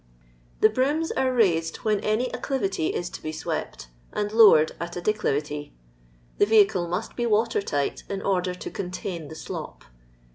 The brooms are raised when any acclivity is to be swept, and lowered at a declivity. The vehicle mu^it be water tight, in order to contain the slop.